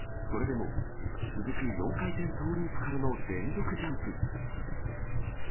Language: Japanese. それでも、続く４回転トーループからの連続ジャンプ。